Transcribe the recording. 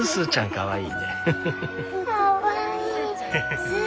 かわいい！